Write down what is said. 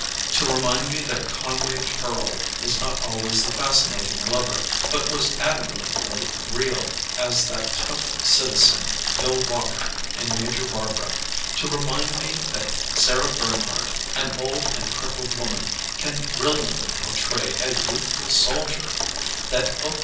To re mind me that Conway Tearle is not always the fasci nating lover, but was admirably real as that tough citizen. Bill Walker, in Major Barbara, to remind me that Sarah Bernhardt, an old and crippled woman, can brilliantly portray a youthful soldier, that 0.